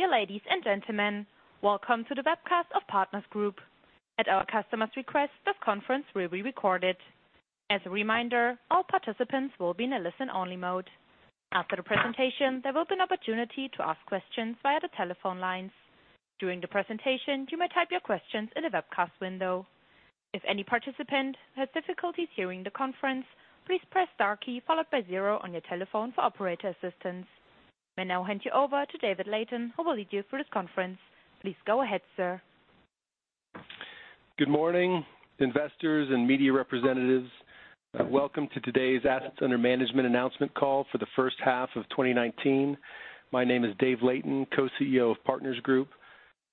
Dear ladies and gentlemen, welcome to the webcast of Partners Group. At our customers' request, this conference will be recorded. As a reminder, all participants will be in a listen-only mode. After the presentation, there will be an opportunity to ask questions via the telephone lines. During the presentation, you may type your questions in the webcast window. If any participant has difficulties hearing the conference, please press star key, followed by zero on your telephone for operator assistance. I may now hand you over to David Layton, who will lead you through this conference. Please go ahead, sir. Good morning, investors and media representatives. Welcome to today's assets under management announcement call for the first half of 2019. My name is Dave Layton, Co-CEO of Partners Group.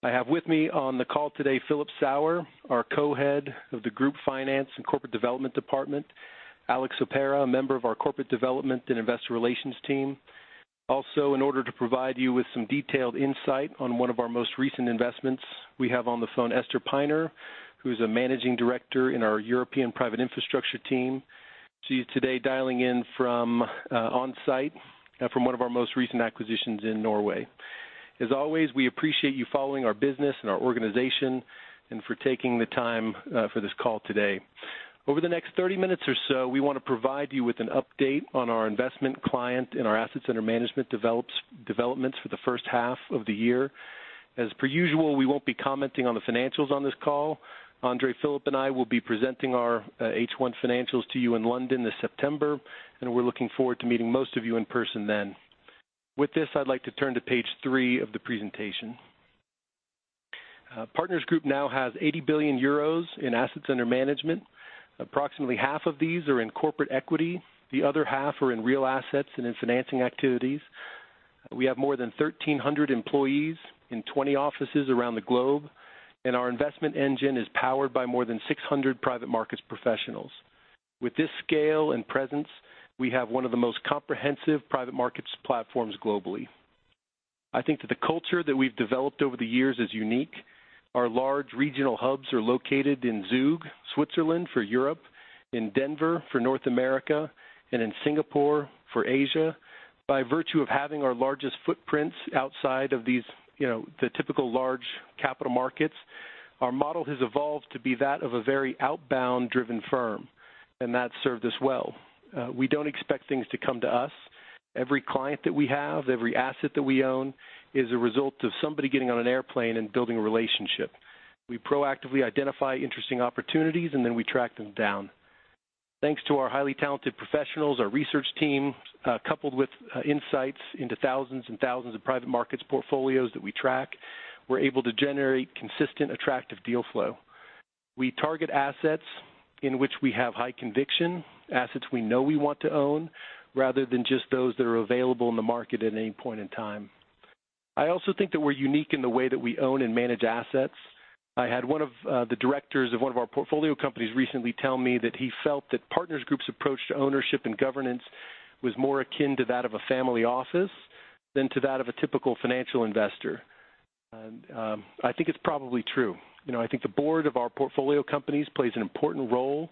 I have with me on the call today Philip Sauer, our Co-Head of the Group Finance and Corporate Development Department, Alex Soppera, a member of our Corporate Development and Investor Relations team. Also, in order to provide you with some detailed insight on one of our most recent investments, we have on the phone Esther Peiner, who's a managing director in our European Private Infrastructure team. She's today dialing in from on-site from one of our most recent acquisitions in Norway. As always, we appreciate you following our business and our organization and for taking the time for this call today. Over the next 30 minutes or so, we want to provide you with an update on our investment client and our assets under management developments for the first half of the year. As per usual, we won't be commenting on the financials on this call. André, Philip, and I will be presenting our H1 financials to you in London this September, and we're looking forward to meeting most of you in person then. With this, I'd like to turn to page 3 of the presentation. Partners Group now has 80 billion euros in assets under management. Approximately half of these are in corporate equity. The other half are in real assets and in financing activities. We have more than 1,300 employees in 20 offices around the globe, and our investment engine is powered by more than 600 private markets professionals. With this scale and presence, we have one of the most comprehensive private markets platforms globally. I think that the culture that we've developed over the years is unique. Our large regional hubs are located in Zug, Switzerland for Europe, in Denver for North America, and in Singapore for Asia. By virtue of having our largest footprints outside of the typical large capital markets, our model has evolved to be that of a very outbound-driven firm, and that's served us well. We don't expect things to come to us. Every client that we have, every asset that we own, is a result of somebody getting on an airplane and building a relationship. We proactively identify interesting opportunities, and then we track them down. Thanks to our highly talented professionals, our research team, coupled with insights into thousands and thousands of private markets portfolios that we track, we're able to generate consistent, attractive deal flow. We target assets in which we have high conviction, assets we know we want to own, rather than just those that are available in the market at any point in time. I also think that we're unique in the way that we own and manage assets. I had one of the directors of one of our portfolio companies recently tell me that he felt that Partners Group's approach to ownership and governance was more akin to that of a family office than to that of a typical financial investor. I think it's probably true. I think the board of our portfolio companies plays an important role.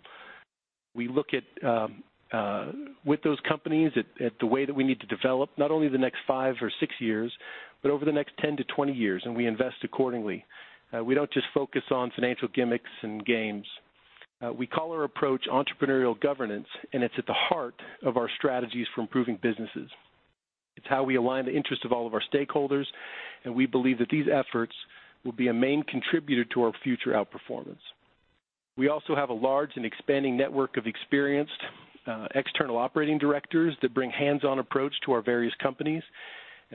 We look with those companies at the way that we need to develop, not only the next five or six years, but over the next 10-20 years, and we invest accordingly. We don't just focus on financial gimmicks and games. We call our approach entrepreneurial governance, and it's at the heart of our strategies for improving businesses. It's how we align the interest of all of our stakeholders, and we believe that these efforts will be a main contributor to our future outperformance. We also have a large and expanding network of experienced external operating directors that bring hands-on approach to our various companies,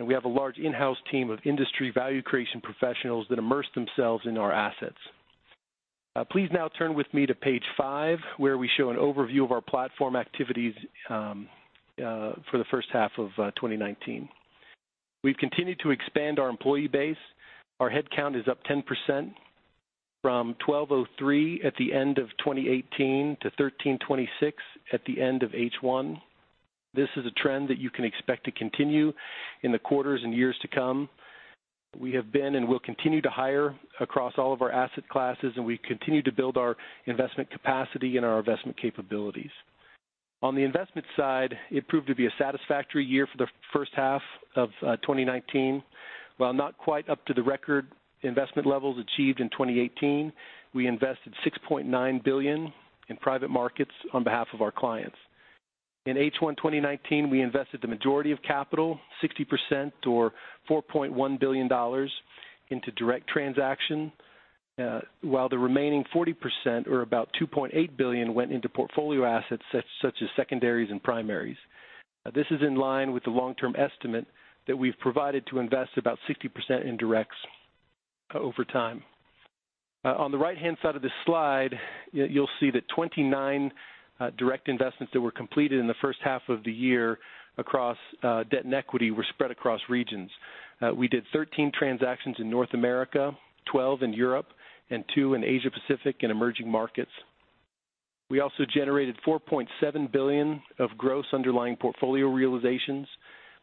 and we have a large in-house team of industry value creation professionals that immerse themselves in our assets. Please now turn with me to page 5, where we show an overview of our platform activities for the first half of 2019. We've continued to expand our employee base. Our headcount is up 10%, from 1,203 at the end of 2018 to 1,326 at the end of H1. This is a trend that you can expect to continue in the quarters and years to come. We have been and will continue to hire across all of our asset classes, and we continue to build our investment capacity and our investment capabilities. On the investment side, it proved to be a satisfactory year for the first half of 2019. While not quite up to the record investment levels achieved in 2018, we invested $6.9 billion in private markets on behalf of our clients. In H1 2019, we invested the majority of capital, 60% or $4.1 billion, into direct transaction. While the remaining 40%, or about $2.8 billion, went into portfolio assets, such as secondaries and primaries. This is in line with the long-term estimate that we've provided to invest about 60% in directs over time. On the right-hand side of this slide, you'll see that 29 direct investments that were completed in the first half of the year across debt and equity were spread across regions. We did 13 transactions in North America, 12 in Europe, and two in Asia-Pacific and emerging markets. We also generated $4.7 billion of gross underlying portfolio realizations.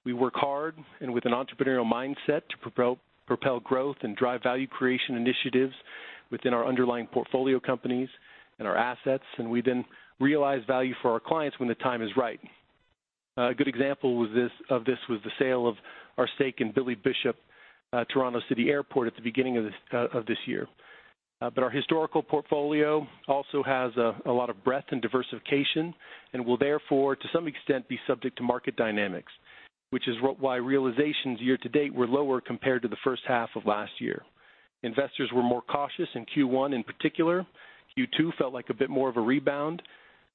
We work hard and with an entrepreneurial mindset to propel growth and drive value creation initiatives within our underlying portfolio companies and our assets, and we then realize value for our clients when the time is right. A good example of this was the sale of our stake in Billy Bishop Toronto City Airport at the beginning of this year. Our historical portfolio also has a lot of breadth and diversification, and will therefore, to some extent, be subject to market dynamics, which is why realizations year to date were lower compared to the first half of last year. Investors were more cautious in Q1 in particular. Q2 felt like a bit more of a rebound.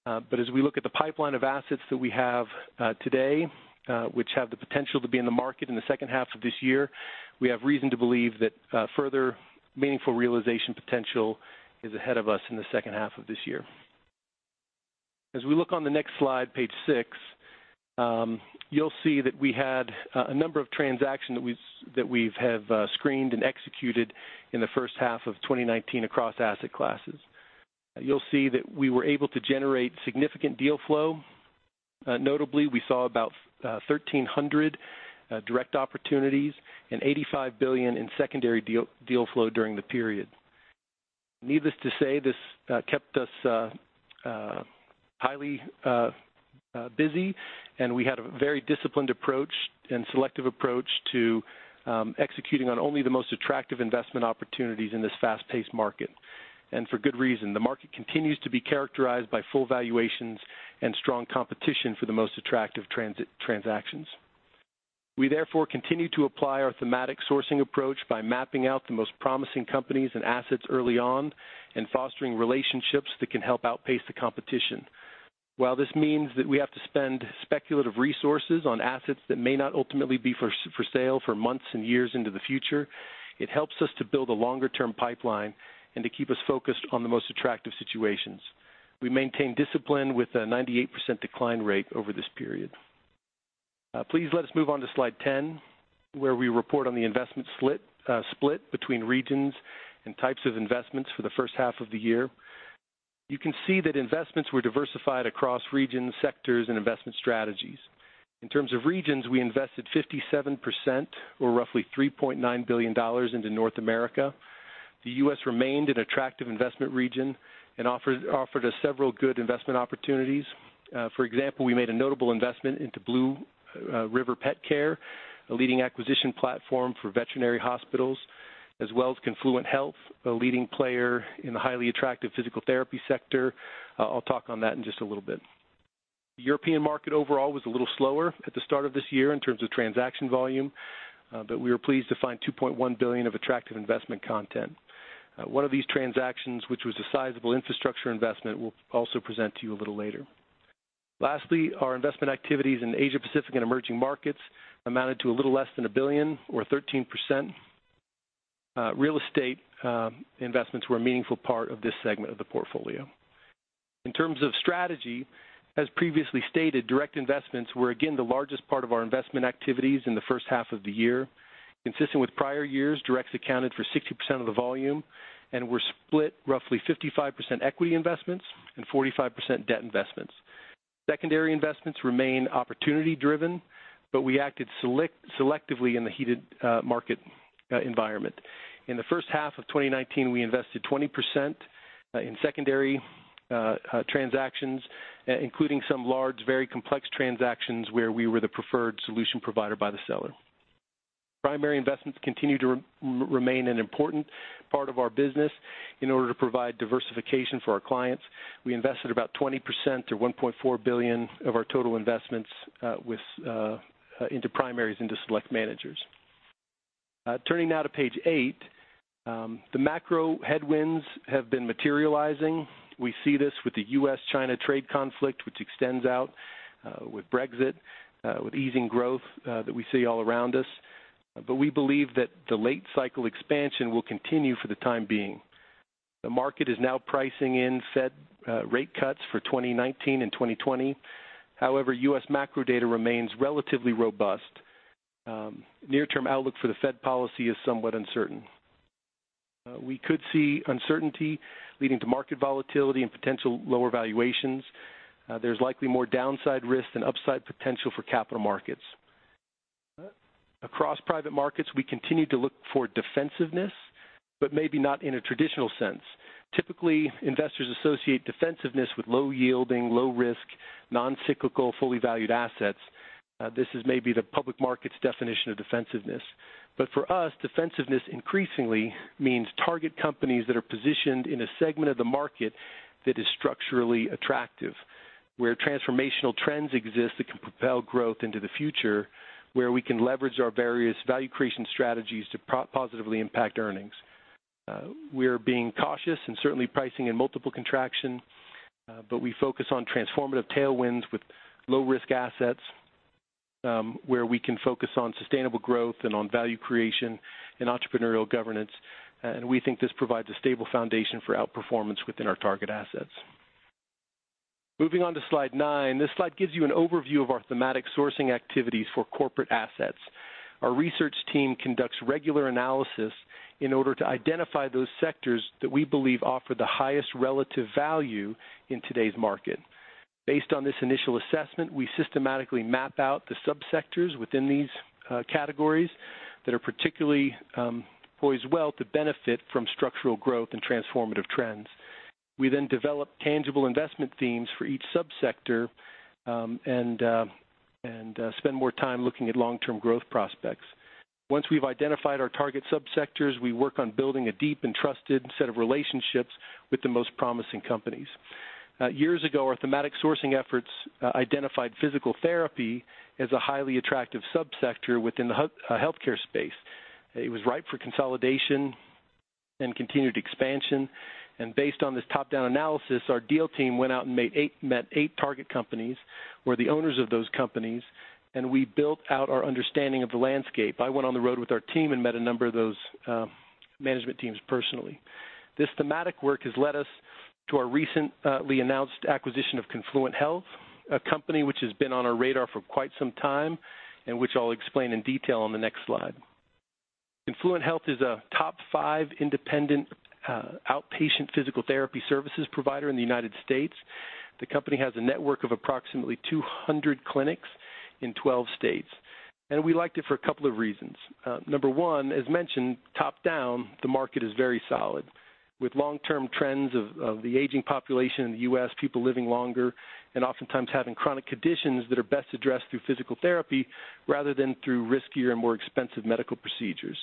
As we look at the pipeline of assets that we have today, which have the potential to be in the market in the second half of this year, we have reason to believe that further meaningful realization potential is ahead of us in the second half of this year. As we look on the next slide, page 6, you'll see that we had a number of transactions that we have screened and executed in the first half of 2019 across asset classes. You'll see that we were able to generate significant deal flow. Notably, we saw about 1,300 direct opportunities and 85 billion in secondary deal flow during the period. Needless to say, this kept us highly busy, and we had a very disciplined approach and selective approach to executing on only the most attractive investment opportunities in this fast-paced market, and for good reason. The market continues to be characterized by full valuations and strong competition for the most attractive transactions. We therefore continue to apply our thematic sourcing approach by mapping out the most promising companies and assets early on, and fostering relationships that can help outpace the competition. While this means that we have to spend speculative resources on assets that may not ultimately be for sale for months and years into the future, it helps us to build a longer-term pipeline and to keep us focused on the most attractive situations. We maintain discipline with a 98% decline rate over this period. Please let us move on to slide 10, where we report on the investment split between regions and types of investments for the first half of the year. You can see that investments were diversified across regions, sectors, and investment strategies. In terms of regions, we invested 57%, or roughly EUR 3.9 billion into North America. The U.S. remained an attractive investment region and offered us several good investment opportunities. For example, we made a notable investment into Blue River PetCare, a leading acquisition platform for veterinary hospitals, as well as Confluent Health, a leading player in the highly attractive physical therapy sector. I'll talk on that in just a little bit. The European market overall was a little slower at the start of this year in terms of transaction volume. We were pleased to find 2.1 billion of attractive investment content. One of these transactions, which was a sizable infrastructure investment, we'll also present to you a little later. Lastly, our investment activities in Asia Pacific and emerging markets amounted to a little less than 1 billion or 13%. Real estate investments were a meaningful part of this segment of the portfolio. In terms of strategy, as previously stated, direct investments were again the largest part of our investment activities in the first half of the year. Consistent with prior years, directs accounted for 60% of the volume and were split roughly 55% equity investments and 45% debt investments. Secondary investments remain opportunity driven, but we acted selectively in the heated market environment. In the first half of 2019, we invested 20% in secondary transactions, including some large, very complex transactions where we were the preferred solution provider by the seller. Primary investments continue to remain an important part of our business in order to provide diversification for our clients. We invested about 20%, or $1.4 billion of our total investments into primaries into select managers. Turning now to page 8, the macro headwinds have been materializing. We see this with the U.S.-China trade conflict, which extends out with Brexit, with easing growth that we see all around us. We believe that the late cycle expansion will continue for the time being. The market is now pricing in Fed rate cuts for 2019 and 2020. However, U.S. macro data remains relatively robust. Near-term outlook for the Fed policy is somewhat uncertain. We could see uncertainty leading to market volatility and potential lower valuations. There's likely more downside risk than upside potential for capital markets. Across private markets, we continue to look for defensiveness, but maybe not in a traditional sense. Typically, investors associate defensiveness with low yielding, low risk, non-cyclical, fully valued assets. This is maybe the public market's definition of defensiveness. For us, defensiveness increasingly means target companies that are positioned in a segment of the market that is structurally attractive, where transformational trends exist that can propel growth into the future, where we can leverage our various value creation strategies to positively impact earnings. We are being cautious and certainly pricing in multiple contraction, but we focus on transformative tailwinds with low risk assets, where we can focus on sustainable growth and on value creation and entrepreneurial governance. We think this provides a stable foundation for outperformance within our target assets. Moving on to slide nine. This slide gives you an overview of our thematic sourcing activities for corporate assets. Our research team conducts regular analysis in order to identify those sectors that we believe offer the highest relative value in today's market. Based on this initial assessment, we systematically map out the sub-sectors within these categories that are particularly poised well to benefit from structural growth and transformative trends. We then develop tangible investment themes for each sub-sector, and spend more time looking at long-term growth prospects. Once we've identified our target sub-sectors, we work on building a deep and trusted set of relationships with the most promising companies. Years ago, our thematic sourcing efforts identified physical therapy as a highly attractive sub-sector within the healthcare space. It was ripe for consolidation and continued expansion. Based on this top-down analysis, our deal team went out and met eight target companies, or the owners of those companies, and we built out our understanding of the landscape. I went on the road with our team and met a number of those management teams personally. This thematic work has led us to our recently announced acquisition of Confluent Health, a company which has been on our radar for quite some time, and which I'll explain in detail on the next slide. Confluent Health is a top five independent outpatient physical therapy services provider in the U.S. The company has a network of approximately 200 clinics in 12 states. We liked it for a couple of reasons. Number one, as mentioned, top-down, the market is very solid, with long-term trends of the aging population in the U.S., people living longer, and oftentimes having chronic conditions that are best addressed through physical therapy rather than through riskier and more expensive medical procedures.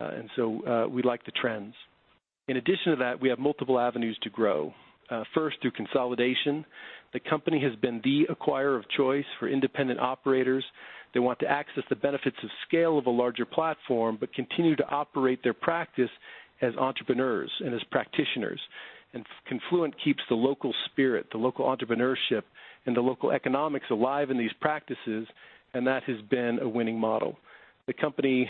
We like the trends. In addition to that, we have multiple avenues to grow. First, through consolidation. The company has been the acquirer of choice for independent operators. They want to access the benefits of scale of a larger platform, but continue to operate their practice as entrepreneurs and as practitioners. Confluent keeps the local spirit, the local entrepreneurship, and the local economics alive in these practices, and that has been a winning model. The company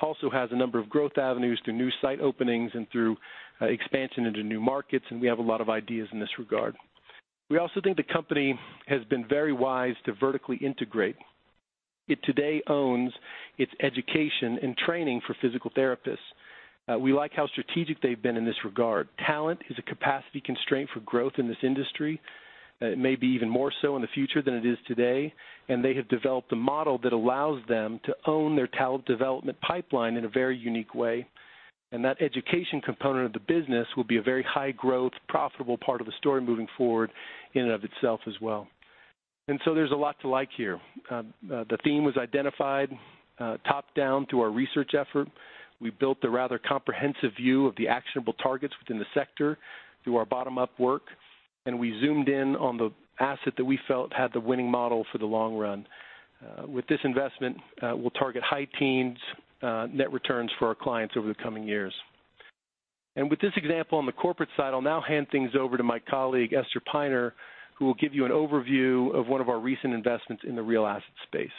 also has a number of growth avenues through new site openings and through expansion into new markets, we have a lot of ideas in this regard. We also think the company has been very wise to vertically integrate. It today owns its education and training for physical therapists. We like how strategic they've been in this regard. Talent is a capacity constraint for growth in this industry. It may be even more so in the future than it is today, and they have developed a model that allows them to own their talent development pipeline in a very unique way, and that education component of the business will be a very high growth, profitable part of the story moving forward in and of itself as well. There's a lot to like here. The theme was identified top-down through our research effort. We built a rather comprehensive view of the actionable targets within the sector through our bottom-up work, we zoomed in on the asset that we felt had the winning model for the long run. With this investment, we'll target high teens net returns for our clients over the coming years. With this example on the corporate side, I'll now hand things over to my colleague, Esther Peiner, who will give you an overview of one of our recent investments in the real asset space.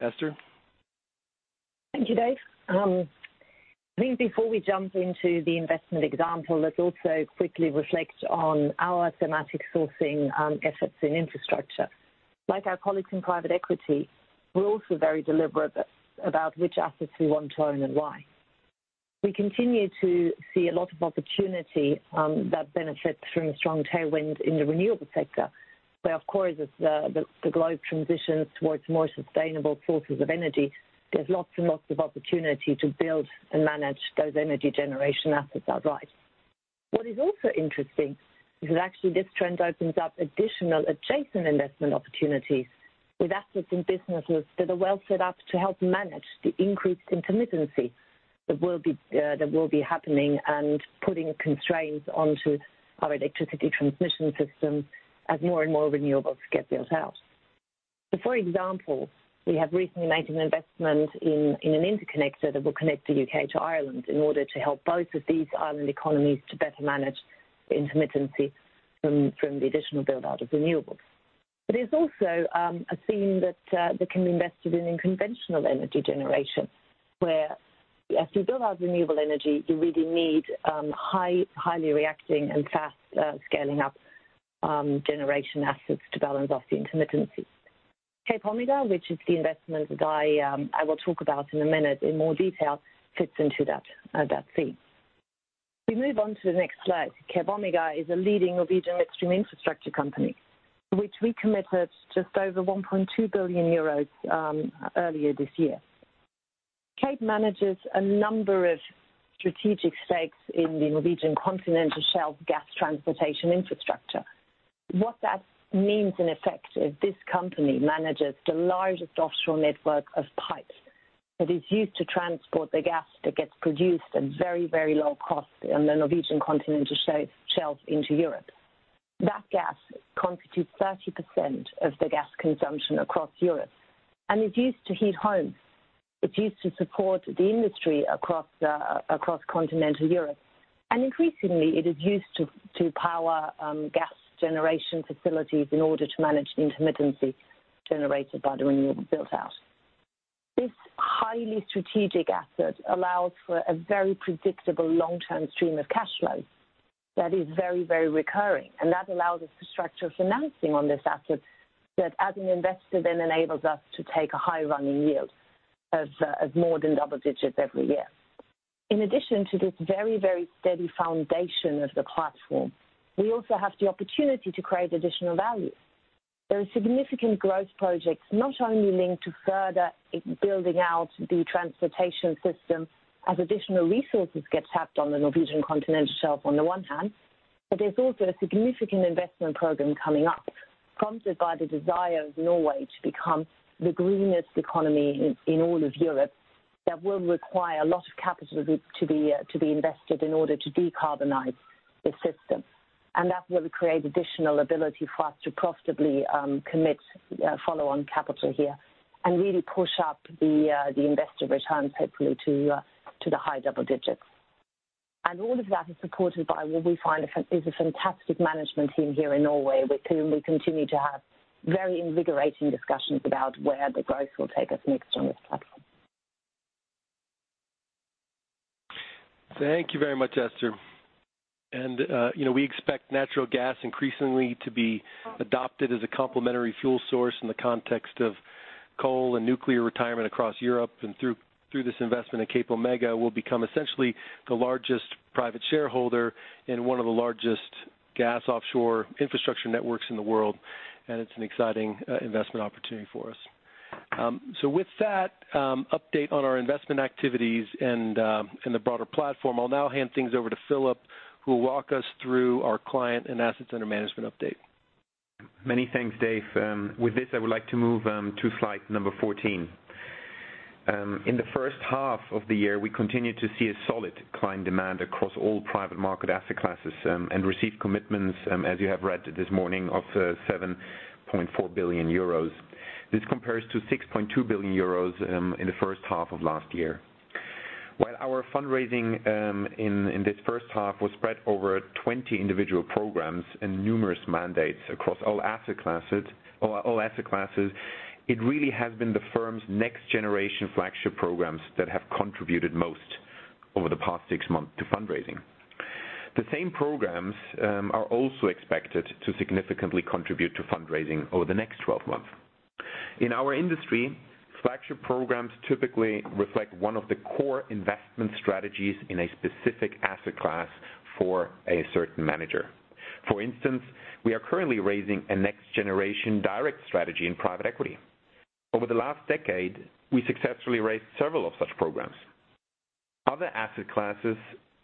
Esther? Thank you, Dave. I think before we jump into the investment example, let's also quickly reflect on our thematic sourcing efforts in infrastructure. Like our colleagues in private equity, we're also very deliberate about which assets we want to own and why. We continue to see a lot of opportunity that benefits from strong tailwinds in the renewable sector, where, of course, as the globe transitions towards more sustainable sources of energy, there's lots and lots of opportunity to build and manage those energy generation assets outright. What is also interesting is that actually this trend opens up additional adjacent investment opportunities with assets and businesses that are well set up to help manage the increased intermittency that will be happening and putting constraints onto our electricity transmission system as more and more renewables get built out. For example, we have recently made an investment in an interconnector that will connect the U.K. to Ireland in order to help both of these island economies to better manage the intermittency from the additional build-out of renewables. There's also a theme that can be invested in conventional energy generation, where as you build out renewable energy, you really need highly reacting and fast scaling up generation assets to balance out the intermittency. CapeOmega, which is the investment that I will talk about in a minute in more detail, fits into that theme. If we move on to the next slide, CapeOmega is a leading Norwegian midstream infrastructure company, to which we committed just over 1.2 billion euros earlier this year. Cape manages a number of strategic stakes in the Norwegian continental shelf gas transportation infrastructure. What that means in effect is this company manages the largest offshore network of pipes that is used to transport the gas that gets produced at very, very low cost on the Norwegian continental shelf into Europe. That gas constitutes 30% of the gas consumption across Europe and is used to heat homes. It's used to support the industry across continental Europe. Increasingly, it is used to power gas generation facilities in order to manage the intermittency generated by the renewable build-out. This highly strategic asset allows for a very predictable long-term stream of cash flow that is very, very recurring. That allows us to structure financing on this asset that as an investor then enables us to take a high running yield of more than double digits every year. In addition to this very, very steady foundation of the platform, we also have the opportunity to create additional value. There are significant growth projects, not only linked to further building out the transportation system as additional resources get tapped on the Norwegian continental shelf on the one hand, but there's also a significant investment program coming up prompted by the desire of Norway to become the greenest economy in all of Europe. That will require a lot of capital to be invested in order to decarbonize the system. That will create additional ability for us to profitably commit follow-on capital here and really push up the investor returns, hopefully to the high double digits. All of that is supported by what we find is a fantastic management team here in Norway, with whom we continue to have very invigorating discussions about where the growth will take us next on this platform. Thank you very much, Esther. We expect natural gas increasingly to be adopted as a complementary fuel source in the context of coal and nuclear retirement across Europe. Through this investment in CapeOmega, we'll become essentially the largest private shareholder in one of the largest gas offshore infrastructure networks in the world, and it's an exciting investment opportunity for us. With that update on our investment activities and the broader platform, I'll now hand things over to Philip, who will walk us through our client and assets under management update. Many thanks, Dave. With this, I would like to move to slide number 14. In the first half of the year, we continued to see a solid client demand across all private market asset classes and received commitments, as you have read this morning, of 7.4 billion euros. This compares to 6.2 billion euros in the first half of last year. While our fundraising in this first half was spread over 20 individual programs and numerous mandates across all asset classes, it really has been the firm's next-generation flagship programs that have contributed most over the past six months to fundraising. The same programs are also expected to significantly contribute to fundraising over the next 12 months. In our industry, flagship programs typically reflect one of the core investment strategies in a specific asset class for a certain manager. For instance, we are currently raising a next-generation direct strategy in private equity. Over the last decade, we successfully raised several of such programs. Other asset classes,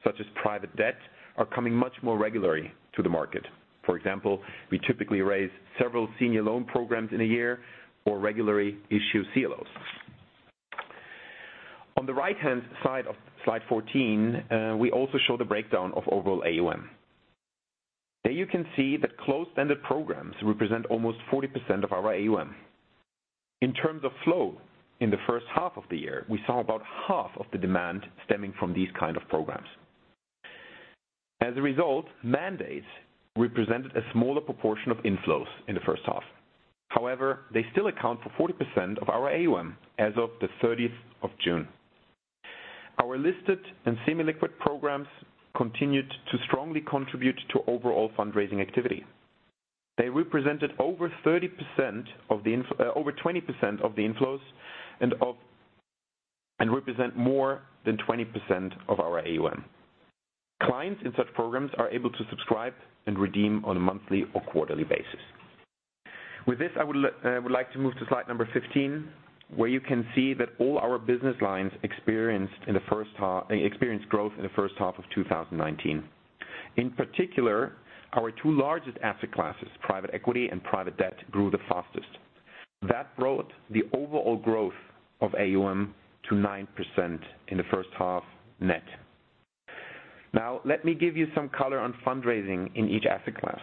such as private debt, are coming much more regularly to the market. For example, we typically raise several senior loan programs in a year or regularly issue CLOs. On the right-hand side of slide 14, we also show the breakdown of overall AUM. There you can see that closed-ended programs represent almost 40% of our AUM. In terms of flow, in the first half of the year, we saw about half of the demand stemming from these kind of programs. As a result, mandates represented a smaller proportion of inflows in the first half. However, they still account for 40% of our AUM as of the 30th of June. Our listed and semi-liquid programs continued to strongly contribute to overall fundraising activity. They represented over 20% of the inflows and represent more than 20% of our AUM. Clients in such programs are able to subscribe and redeem on a monthly or quarterly basis. With this, I would like to move to slide number 15, where you can see that all our business lines experienced growth in the first half of 2019. In particular, our two largest asset classes, private equity and private debt, grew the fastest. That brought the overall growth of AUM to 9% in the first half net. Let me give you some color on fundraising in each asset class.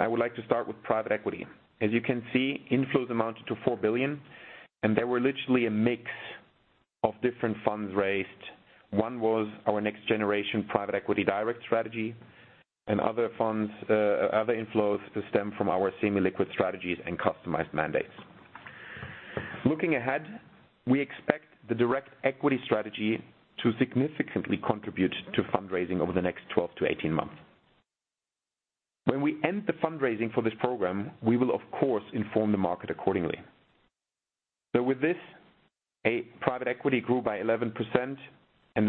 I would like to start with private equity. As you can see, inflows amounted to 4 billion, there were literally a mix of different funds raised. One was our next-generation private equity direct strategy, and other inflows stem from our semi-liquid strategies and customized mandates. Looking ahead, we expect the direct equity strategy to significantly contribute to fundraising over the next 12-18 months. When we end the fundraising for this program, we will of course inform the market accordingly. With this, private equity grew by 11% and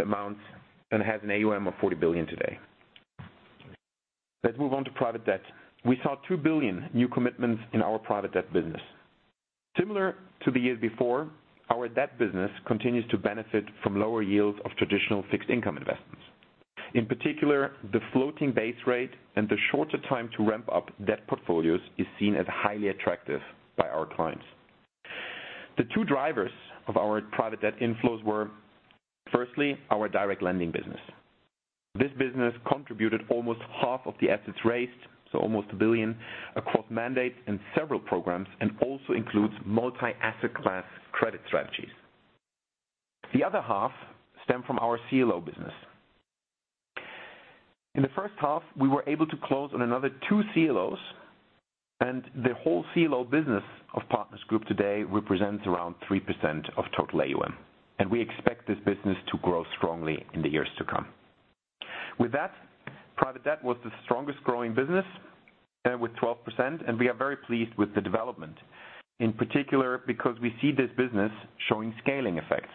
has an AUM of 40 billion today. Let's move on to private debt. We saw 2 billion new commitments in our private debt business. Similar to the year before, our debt business continues to benefit from lower yields of traditional fixed-income investments. In particular, the floating base rate and the shorter time to ramp up debt portfolios is seen as highly attractive by our clients. The two drivers of our private debt inflows were, firstly, our direct lending business. This business contributed almost half of the assets raised, 1 billion, across mandates and several programs, and also includes multi-asset class credit strategies. The other half stem from our CLO business. In the first half, we were able to close on another two CLOs. The whole CLO business of Partners Group today represents around 3% of total AUM, and we expect this business to grow strongly in the years to come. Private debt was the strongest growing business with 12%, and we are very pleased with the development, in particular because we see this business showing scaling effects.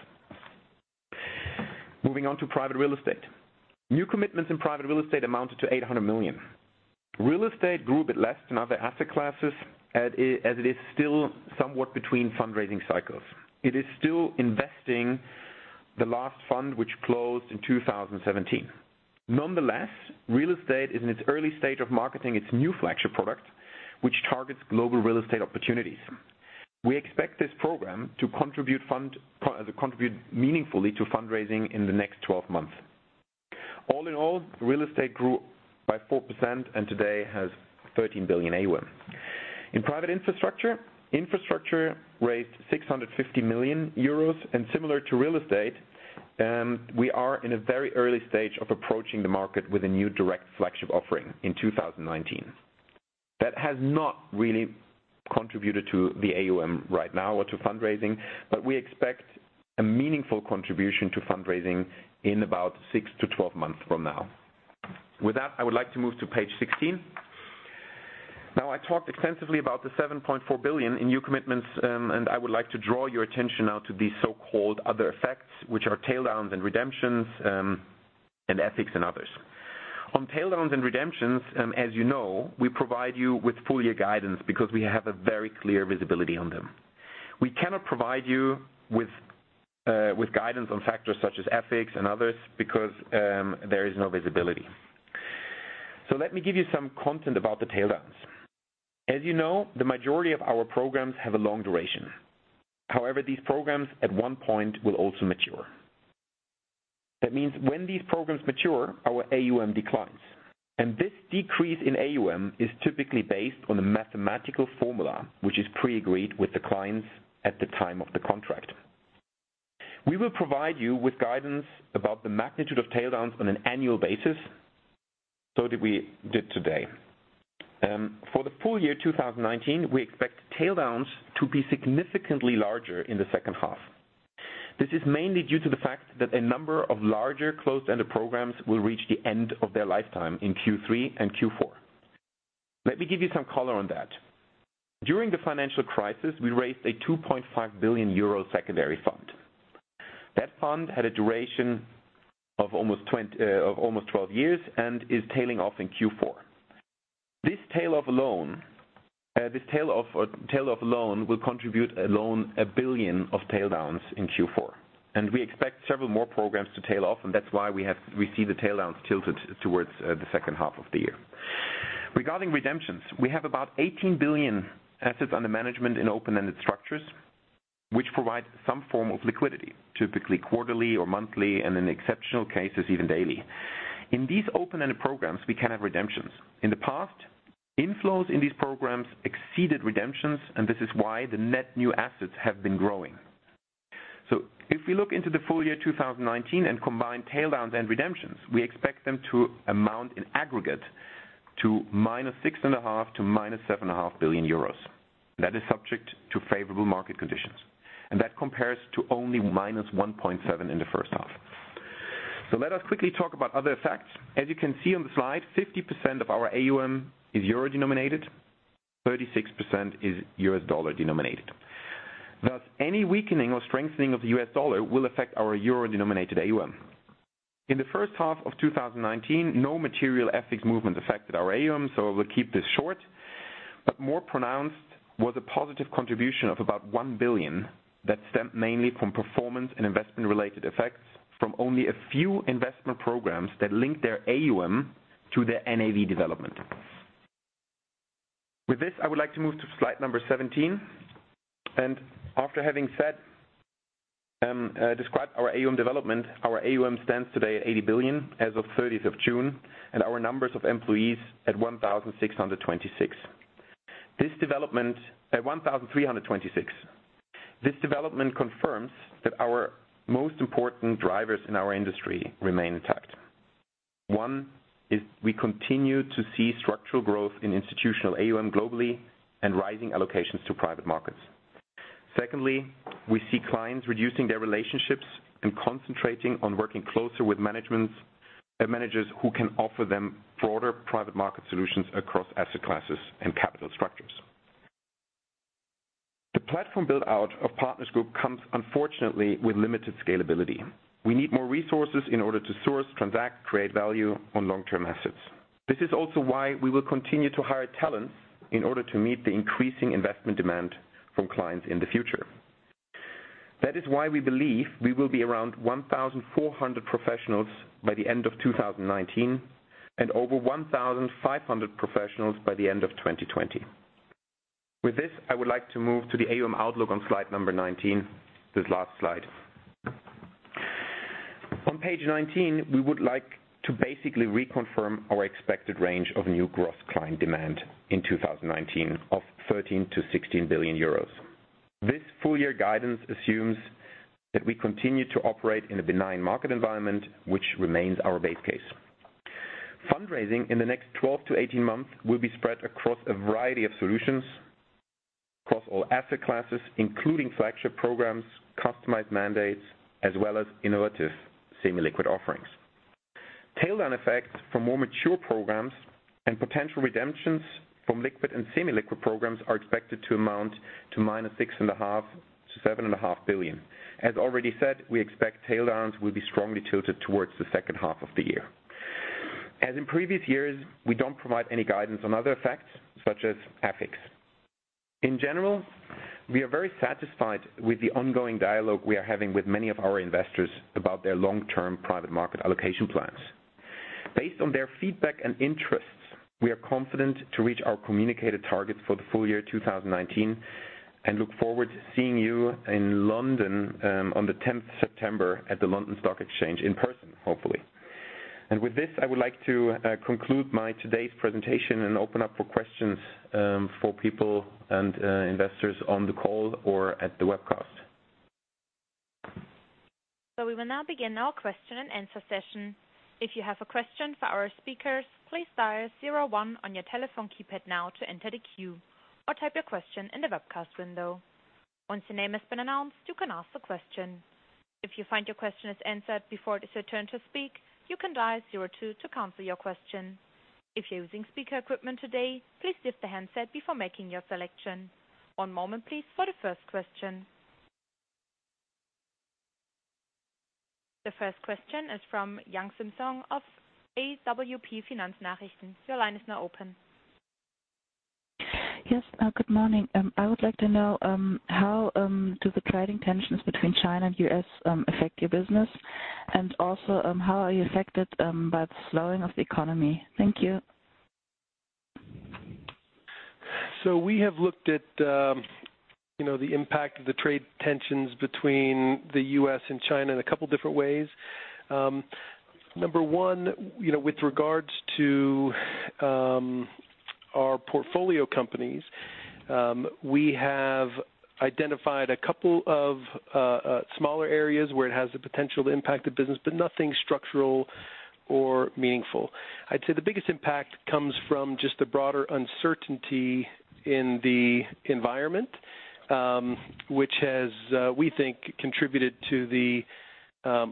Moving on to private real estate. New commitments in private real estate amounted to 800 million. Real estate grew a bit less than other asset classes, as it is still somewhat between fundraising cycles. It is still investing the last fund, which closed in 2017. Nonetheless, real estate is in its early stage of marketing its new flagship product, which targets global real estate opportunities. We expect this program to contribute meaningfully to fundraising in the next 12 months. All in all, real estate grew by 4% and today has 13 billion AUM. In private infrastructure raised 650 million euros, and similar to real estate, we are in a very early stage of approaching the market with a new direct flagship offering in 2019. That has not really contributed to the AUM right now or to fundraising, but we expect a meaningful contribution to fundraising in about 6-12 months from now. I would like to move to page 16. I talked extensively about the 7.4 billion in new commitments, and I would like to draw your attention now to these so-called other effects, which are tail-downs and redemptions, and FX and others. On tail-downs and redemptions, as you know, we provide you with full year guidance because we have a very clear visibility on them. We cannot provide you with guidance on factors such as FX and others because there is no visibility. Let me give you some content about the tail-downs. As you know, the majority of our programs have a long duration. However, these programs at one point will also mature. That means when these programs mature, our AUM declines, and this decrease in AUM is typically based on a mathematical formula, which is pre-agreed with the clients at the time of the contract. We will provide you with guidance about the magnitude of tail-downs on an annual basis, so that we did today. For the full year 2019, we expect tail-downs to be significantly larger in the second half. This is mainly due to the fact that a number of larger closed-ended programs will reach the end of their lifetime in Q3 and Q4. Let me give you some color on that. During the financial crisis, we raised a 2.5 billion euro secondary fund. That fund had a duration of almost 12 years and is tailing off in Q4. This tail off alone will contribute alone 1 billion of tail-downs in Q4, and we expect several more programs to tail off, and that is why we see the tail-downs tilted towards the second half of the year. Regarding redemptions, we have about 18 billion assets under management in open-ended structures, which provide some form of liquidity, typically quarterly or monthly, and in exceptional cases, even daily. In these open-ended programs, we can have redemptions. In the past, inflows in these programs exceeded redemptions, and this is why the net new assets have been growing. If we look into the full year 2019 and combine tail-downs and redemptions, we expect them to amount in aggregate to -6.5 billion euros to -7.5 billion euros. That is subject to favorable market conditions, and that compares to only -1.7 billion in the first half. Let us quickly talk about other effects. As you can see on the slide, 50% of our AUM is EUR denominated, 36% is U.S. dollar denominated. Thus, any weakening or strengthening of the U.S. dollar will affect our EUR-denominated AUM. In the first half of 2019, no material FX movement affected our AUM. I will keep this short, but more pronounced was a positive contribution of about 1 billion that stemmed mainly from performance and investment-related effects from only a few investment programs that link their AUM to their NAV development. With this, I would like to move to slide number 17, and after having described our AUM development, our AUM stands today at 80 billion as of 30th of June, and our numbers of employees at 1,326. This development confirms that our most important drivers in our industry remain intact. One, we continue to see structural growth in institutional AUM globally and rising allocations to private markets. Secondly, we see clients reducing their relationships and concentrating on working closer with managers who can offer them broader private market solutions across asset classes and capital structures. The platform build-out of Partners Group comes unfortunately with limited scalability. We need more resources in order to source, transact, create value on long-term assets. This is also why we will continue to hire talents in order to meet the increasing investment demand from clients in the future. That is why we believe we will be around 1,400 professionals by the end of 2019 and over 1,500 professionals by the end of 2020. With this, I would like to move to the AUM outlook on slide number 19, this last slide. On page 19, we would like to basically reconfirm our expected range of new gross client demand in 2019 of 13 billion-16 billion euros. This full-year guidance assumes that we continue to operate in a benign market environment, which remains our base case. Fundraising in the next 12-18 months will be spread across a variety of solutions across all asset classes, including flagship programs, customized mandates, as well as innovative semi-liquid offerings. Tail-down effects from more mature programs and potential redemptions from liquid and semi-liquid programs are expected to amount to minus 6.5 billion-7.5 billion. As already said, we expect tail-downs will be strongly tilted towards the second half of the year. As in previous years, we don't provide any guidance on other effects, such as FX effects. In general, we are very satisfied with the ongoing dialogue we are having with many of our investors about their long-term private market allocation plans. Based on their feedback and interests, we are confident to reach our communicated targets for the full year 2019 and look forward to seeing you in London on the 10th September at the London Stock Exchange in person, hopefully. With this, I would like to conclude today's presentation and open up for questions for people and investors on the call or at the webcast. We will now begin our question and answer session. If you have a question for our speakers, please dial zero one on your telephone keypad now to enter the queue or type your question in the webcast window. Once your name has been announced, you can ask the question. If you find your question is answered before it is your turn to speak, you can dial zero two to cancel your question. If you're using speaker equipment today, please lift the handset before making your selection. One moment, please, for the first question. The first question is from Yang Simsong of AWP Finanznachrichten. Your line is now open. Yes. Good morning. I would like to know how do the trading tensions between China and the U.S. affect your business, and also, how are you affected by the slowing of the economy? Thank you. We have looked at the impact of the trade tensions between the U.S. and China in a couple different ways. Number one, with regards to our portfolio companies, we have identified a couple of smaller areas where it has the potential to impact the business, but nothing structural or meaningful. I'd say the biggest impact comes from just the broader uncertainty in the environment, which has, we think, contributed to the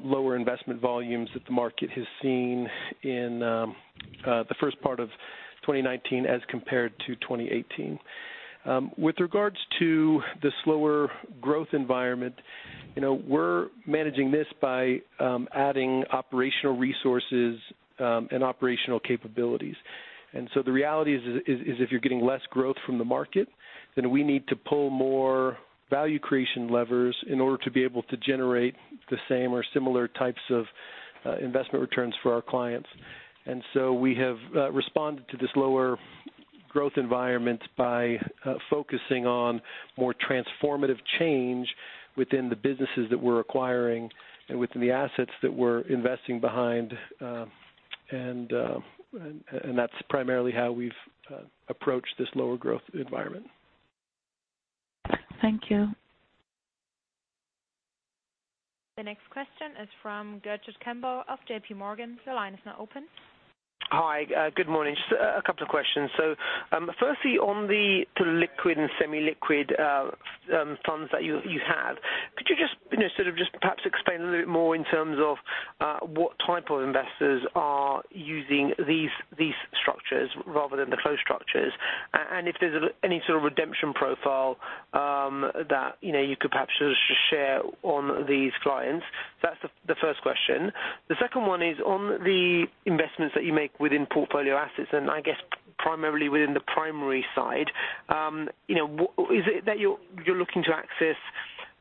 lower investment volumes that the market has seen in the first part of 2019 as compared to 2018. With regards to the slower growth environment, we're managing this by adding operational resources and operational capabilities. The reality is if you're getting less growth from the market, then we need to pull more value creation levers in order to be able to generate the same or similar types of investment returns for our clients. We have responded to this lower growth environment by focusing on more transformative change within the businesses that we're acquiring and within the assets that we're investing behind. That's primarily how we've approached this lower growth environment. Thank you. The next question is from Gurjit Kambo of J.P. Morgan. Your line is now open. Hi. Good morning. Just a couple of questions. Firstly, on the liquid and semi-liquid funds that you have, could you just perhaps explain a little bit more in terms of what type of investors are using these structures rather than the closed structures? If there's any sort of redemption profile that you could perhaps just share on these clients? That's the first question. The second one is on the investments that you make within portfolio assets, and I guess primarily within the primary side, is it that you're looking to access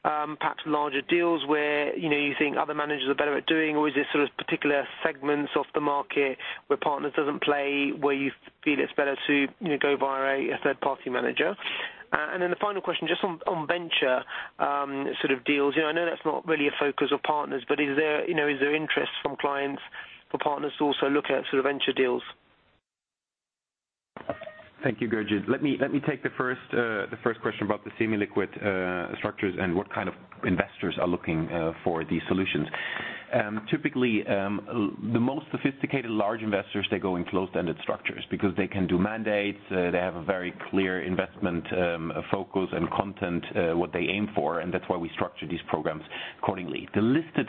perhaps larger deals where you think other managers are better at doing? Or is this sort of particular segments of the market where Partners doesn't play, where you feel it's better to go via a third-party manager? Then the final question, just on venture sort of deals. I know that's not really a focus of Partners, is there interest from clients for Partners to also look at sort of venture deals? Thank you, Gurjit. Let me take the first question about the semi-liquid structures and what kind of investors are looking for these solutions. Typically, the most sophisticated large investors, they go in closed-ended structures because they can do mandates, they have a very clear investment focus and content, what they aim for, that's why we structure these programs accordingly. The listed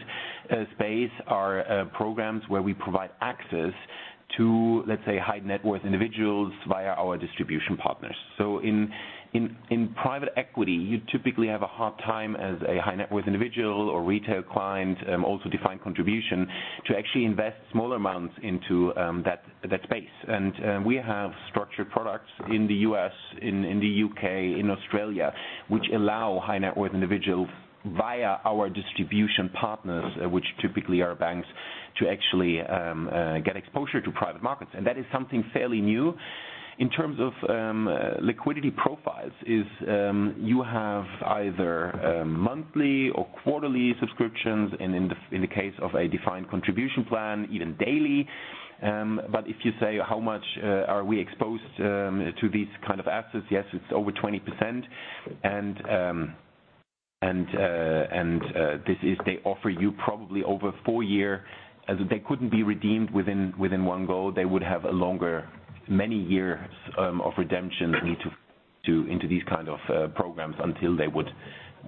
space are programs where we provide access to, let's say, high-net-worth individuals via our distribution partners. In private equity, you typically have a hard time as a high-net-worth individual or retail client, also defined contribution, to actually invest small amounts into that space. We have structured products in the U.S., in the U.K., in Australia, which allow high-net-worth individuals, via our distribution partners, which typically are banks, to actually get exposure to private markets. That is something fairly new. In terms of liquidity profiles, is you have either monthly or quarterly subscriptions, and in the case of a defined contribution plan, even daily. If you say how much are we exposed to these kind of assets, yes, it's over 20%. They offer you probably over four year as they couldn't be redeemed within one go, they would have a longer many years of redemption need to into these kind of programs until they would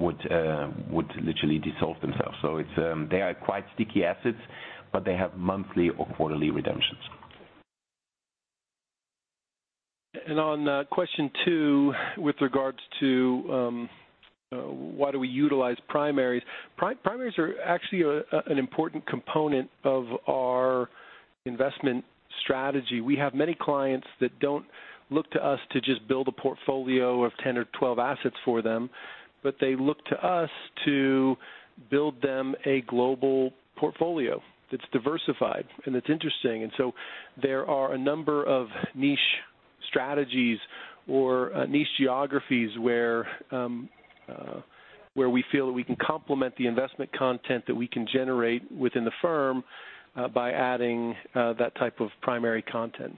literally dissolve themselves. They are quite sticky assets, but they have monthly or quarterly redemptions. On question two with regards to why do we utilize primaries? Primaries are actually an important component of our investment strategy. We have many clients that do not look to us to just build a portfolio of 10 or 12 assets for them, but they look to us to build them a global portfolio that is diversified and that is interesting. So there are a number of niche strategies or niche geographies where we feel that we can complement the investment content that we can generate within the firm by adding that type of primary content.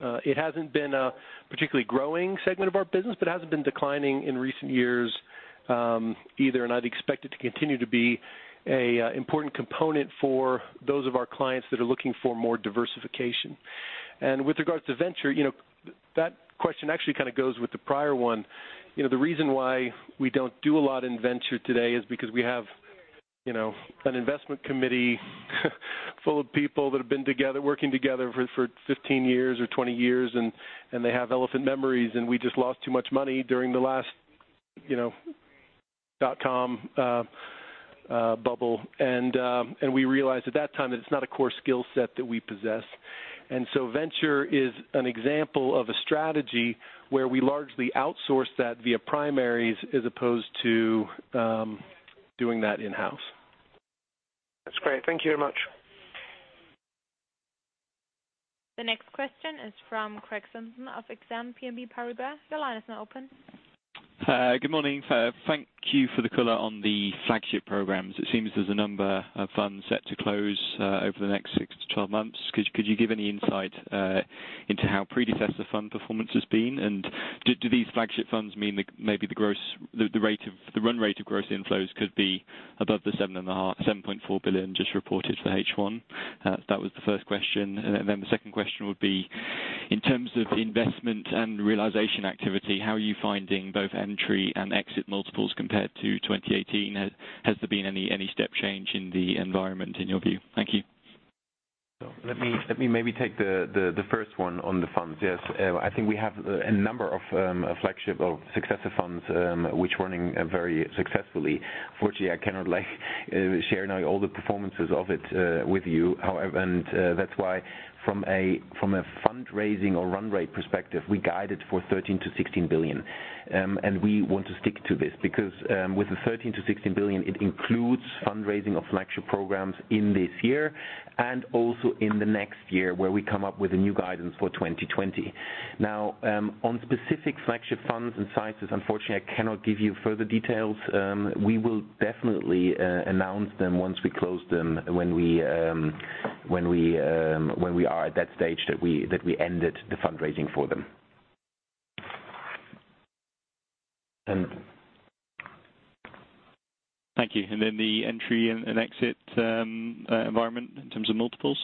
It has not been a particularly growing segment of our business, but it has not been declining in recent years either, and I would expect it to continue to be a important component for those of our clients that are looking for more diversification. With regards to venture, that question actually kind of goes with the prior one. The reason why we do not do a lot in venture today is because we have an investment committee full of people that have been working together for 15 years or 20 years, and they have elephant memories, and we just lost too much money during the last dotcom bubble. We realized at that time that it is not a core skill set that we possess. So venture is an example of a strategy where we largely outsource that via primaries as opposed to doing that in-house. That is great. Thank you very much. The next question is from Greg Simpson of Exane BNP Paribas. Your line is now open. Hi. Good morning. Thank you for the color on the flagship programs. It seems there's a number of funds set to close over the next 6-12 months. Could you give any insight into how predecessor fund performance has been? Do these flagship funds mean that maybe the run rate of gross inflows could be above the 7.4 billion just reported for H1? That was the first question. The second question would be, in terms of investment and realization activity, how are you finding both entry and exit multiples compared to 2018? Has there been any step change in the environment in your view? Thank you. Let me maybe take the first one on the funds. Yes. I think we have a number of flagship of successive funds which running very successfully. Unfortunately, I cannot share now all the performances of it with you. However, from a fundraising or run rate perspective, we guided for 13 billion-16 billion. We want to stick to this because, with the 13 billion-16 billion, it includes fundraising of flagship programs in this year and also in the next year, where we come up with a new guidance for 2020. On specific flagship funds and sizes, unfortunately, I cannot give you further details. We will definitely announce them once we close them when we are at that stage that we ended the fundraising for them. Thank you. The entry and exit environment in terms of multiples?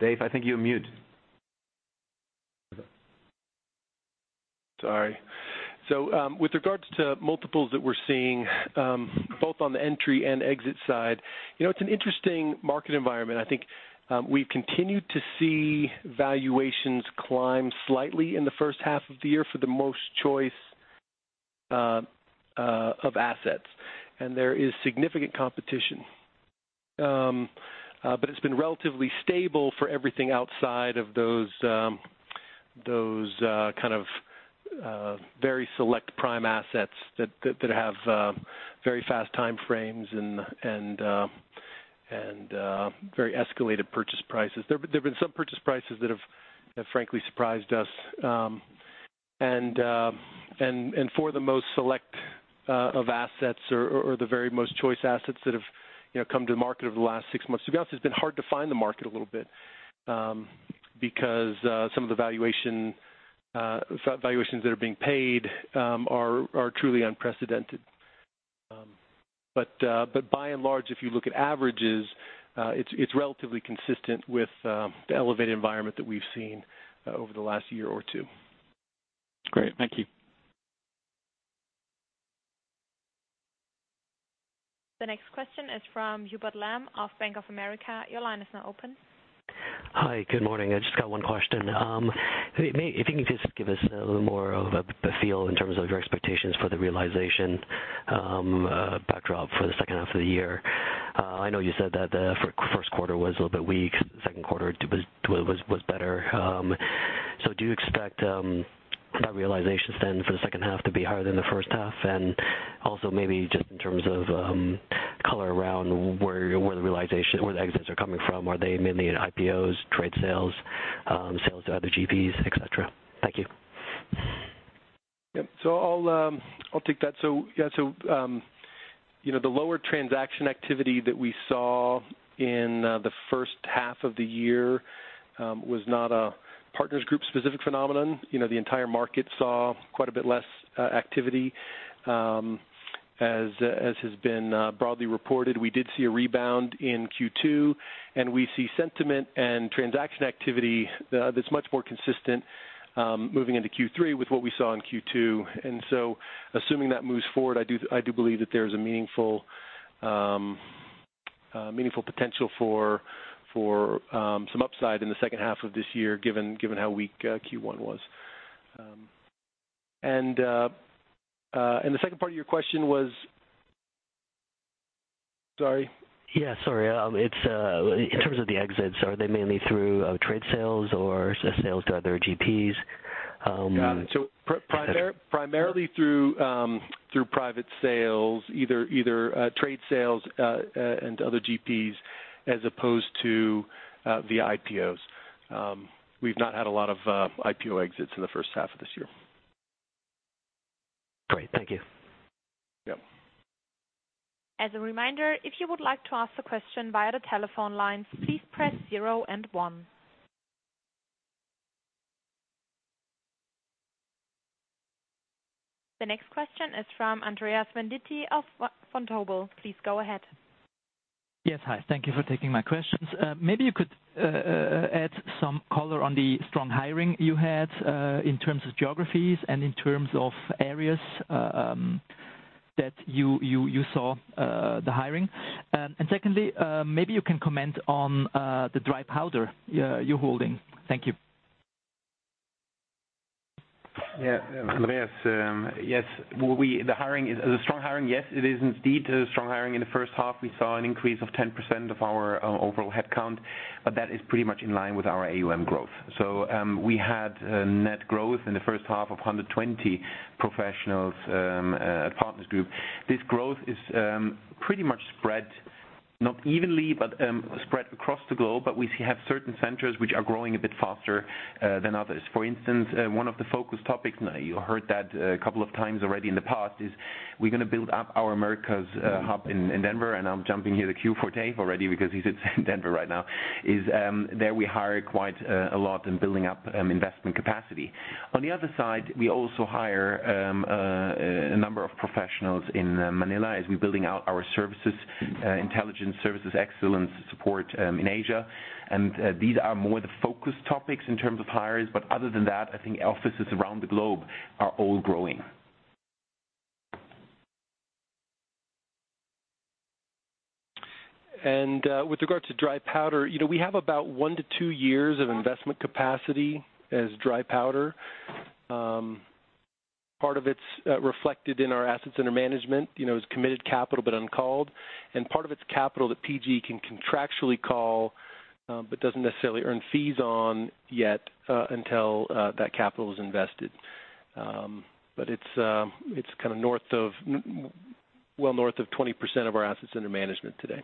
Dave, I think you are mute. Sorry. With regards to multiples that we're seeing, both on the entry and exit side, it's an interesting market environment. I think we've continued to see valuations climb slightly in the first half of the year for the most choice of assets, and there is significant competition. It's been relatively stable for everything outside of those kind of very select prime assets that have very fast time frames and very escalated purchase prices. There have been some purchase prices that have frankly surprised us. For the most select of assets or the very most choice assets that have come to the market over the last six months, to be honest, it's been hard to find the market a little bit because some of the valuations that are being paid are truly unprecedented. By and large, if you look at averages, it's relatively consistent with the elevated environment that we've seen over the last year or two. Great. Thank you. The next question is from Hubert Lam of Bank of America. Your line is now open. Hi. Good morning. I just got one question. If you can just give us a little more of a feel in terms of your expectations for the realization backdrop for the second half of the year. I know you said that the first quarter was a little bit weak, second quarter was better. Do you expect that realization then for the second half to be higher than the first half? Also maybe just in terms of color around where the exits are coming from. Are they mainly IPOs, trade sales to other GPs, et cetera? Thank you. Yep. I'll take that. The lower transaction activity that we saw in the first half of the year was not a Partners Group specific phenomenon. The entire market saw quite a bit less activity as has been broadly reported. We did see a rebound in Q2, we see sentiment and transaction activity that's much more consistent moving into Q3 with what we saw in Q2. Assuming that moves forward, I do believe that there's a meaningful potential for some upside in the second half of this year, given how weak Q1 was. The second part of your question was? Sorry. Yeah, sorry. In terms of the exits, are they mainly through trade sales or sales to other GPs? Yeah. Primarily through private sales, either trade sales and other GPs as opposed to the IPOs. We've not had a lot of IPO exits in the first half of this year. Great. Thank you. Yep. As a reminder, if you would like to ask a question via the telephone lines, please press zero and one. The next question is from Andreas Venditti of Vontobel. Please go ahead. Yes, hi. Thank you for taking my questions. Maybe you could add some color on the strong hiring you had in terms of geographies and in terms of areas that you saw the hiring. Secondly, maybe you can comment on the dry powder you're holding. Thank you. Yeah. Andreas. Yes. The strong hiring, yes, it is indeed a strong hiring in the first half. We saw an increase of 10% of our overall headcount, that is pretty much in line with our AUM growth. We had net growth in the first half of 120 professionals at Partners Group. This growth is pretty much spread, not evenly, but spread across the globe. We have certain centers which are growing a bit faster than others. For instance, one of the focus topics, you heard that a couple of times already in the past, is we're going to build up our America's hub in Denver, and I'm jumping here the queue for Dave already because he's in Denver right now, is there we hire quite a lot in building up investment capacity. On the other side, we also hire a number of professionals in Manila as we're building out our services, intelligence services excellence support in Asia. These are more the focus topics in terms of hires. Other than that, I think our offices around the globe are all growing. With regards to dry powder, we have about 1-2 years of investment capacity as dry powder. Part of it's reflected in our assets under management, is committed capital but uncalled, and part of it's capital that PG can contractually call but doesn't necessarily earn fees on yet until that capital is invested. It's north of 20% of our assets under management today.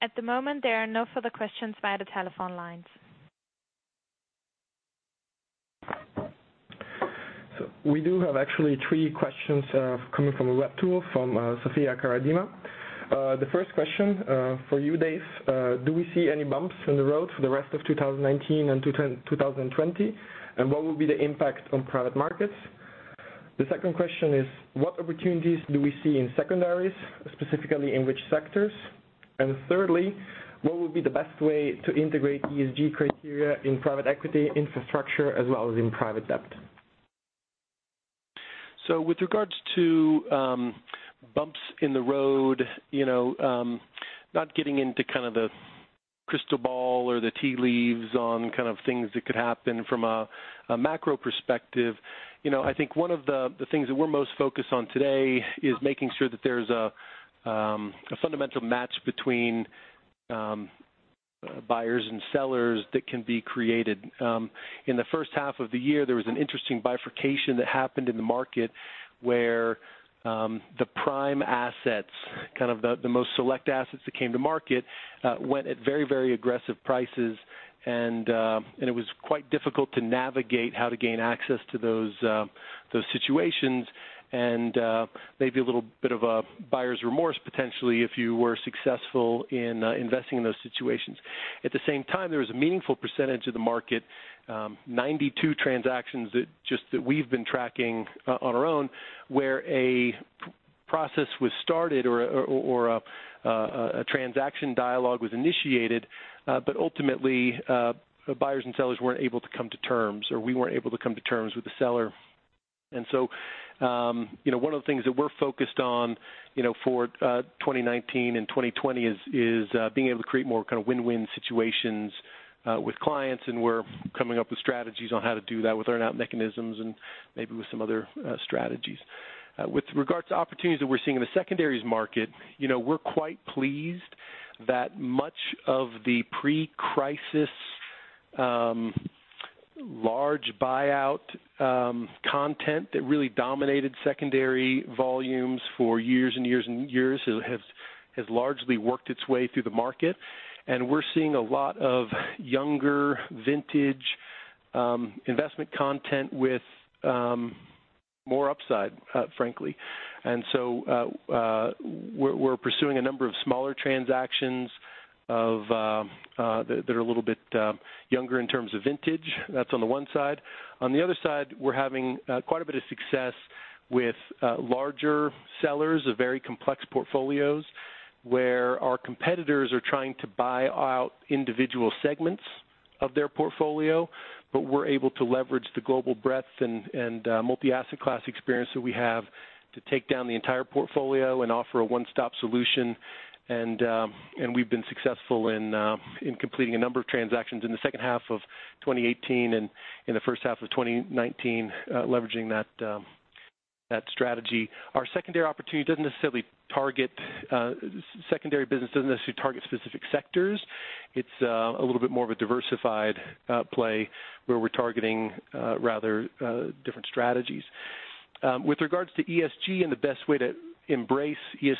At the moment, there are no further questions via the telephone lines. We do have actually three questions coming from the web tool from Sofia Karadima. The first question for you, Dave, do we see any bumps in the road for the rest of 2019 and 2020? What will be the impact on private markets? The second question is what opportunities do we see in secondaries, specifically in which sectors? Thirdly, what would be the best way to integrate ESG criteria in private equity infrastructure as well as in private debt? With regards to bumps in the road, not getting into the crystal ball or the tea leaves on things that could happen from a macro perspective, I think one of the things that we're most focused on today is making sure that there's a fundamental match between buyers and sellers that can be created. In the first half of the year, there was an interesting bifurcation that happened in the market where the prime assets, the most select assets that came to market, went at very aggressive prices. It was quite difficult to navigate how to gain access to those situations, and maybe a little bit of a buyer's remorse, potentially, if you were successful in investing in those situations. At the same time, there was a meaningful percentage of the market, 92 transactions, just that we've been tracking on our own, where a process was started or a transaction dialogue was initiated. Ultimately, buyers and sellers weren't able to come to terms, or we weren't able to come to terms with the seller. One of the things that we're focused on for 2019 and 2020 is being able to create more win-win situations with clients. We're coming up with strategies on how to do that with earn-out mechanisms and maybe with some other strategies. With regards to opportunities that we're seeing in the secondaries market, we're quite pleased that much of the pre-crisis large buyout content that really dominated secondary volumes for years and years and years has largely worked its way through the market. We're seeing a lot of younger vintage investment content with more upside, frankly. We're pursuing a number of smaller transactions that are a little bit younger in terms of vintage. That's on the one side. On the other side, we're having quite a bit of success with larger sellers of very complex portfolios where our competitors are trying to buy out individual segments of their portfolio. We're able to leverage the global breadth and multi-asset class experience that we have to take down the entire portfolio and offer a one-stop solution. We've been successful in completing a number of transactions in the second half of 2018 and in the first half of 2019, leveraging that strategy. Our secondary business doesn't necessarily target specific sectors. It's a little bit more of a diversified play where we're targeting rather different strategies. With regards to ESG and the best way to embrace ESG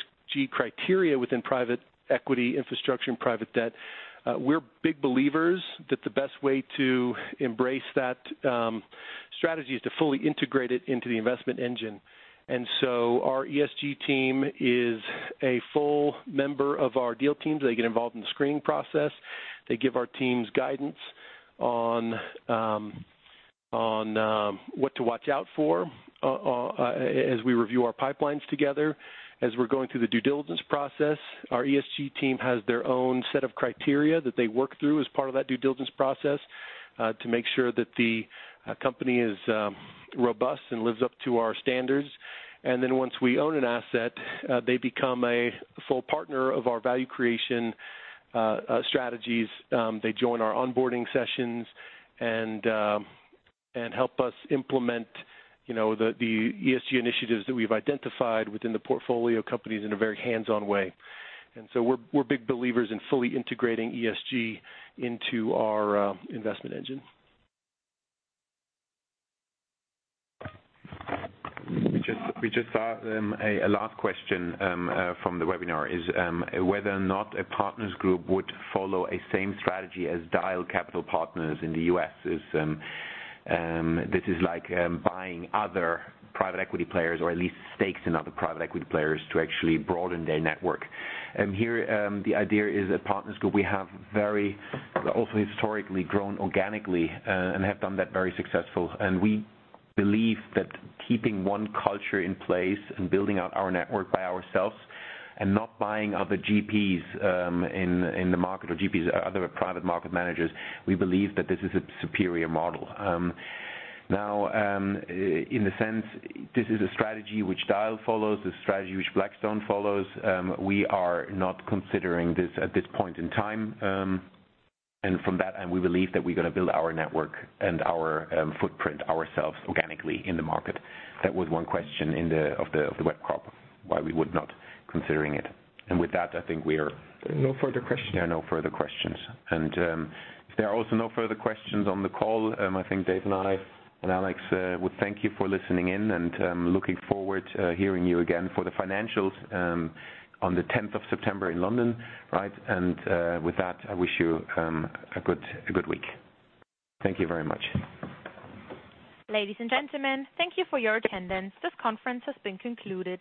criteria within private equity infrastructure and private debt, we're big believers that the best way to embrace that strategy is to fully integrate it into the investment engine. Our ESG team is a full member of our deal teams. They get involved in the screening process. They give our teams guidance on what to watch out for as we review our pipelines together. As we're going through the due diligence process, our ESG team has their own set of criteria that they work through as part of that due diligence process to make sure that the company is robust and lives up to our standards. Once we own an asset, they become a full partner of our value creation strategies. They join our onboarding sessions and help us implement the ESG initiatives that we've identified within the portfolio companies in a very hands-on way. We're big believers in fully integrating ESG into our investment engine. We just saw a last question from the webinar is whether or not Partners Group would follow a same strategy as Dyal Capital Partners in the U.S. This is like buying other private equity players, or at least stakes in other private equity players to actually broaden their network. Here the idea is at Partners Group, we have very also historically grown organically and have done that very successful. We believe that keeping one culture in place and building out our network by ourselves and not buying other GPs in the market or other private market managers, we believe that this is a superior model. In a sense, this is a strategy which Dyal follows, a strategy which Blackstone follows. We are not considering this at this point in time. From that end, we believe that we're going to build our network and our footprint ourselves organically in the market. That was one question of the webinar, why we would not considering it. With that, I think we're- No further questions. There are no further questions. If there are also no further questions on the call, I think Dave and I and Alex would thank you for listening in, and looking forward hearing you again for the financials on the 10th of September in London. Right? With that, I wish you a good week. Thank you very much. Ladies and gentlemen, thank you for your attendance. This conference has been concluded.